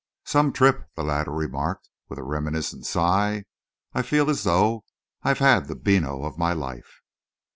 "Some trip," the latter remarked, with a reminiscent sigh. "I feel as though I'd had the beano of my life."